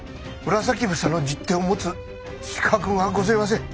紫房の十手を持つ資格がごぜえません。